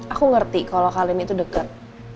aku ngerti kalau kalian itu dekat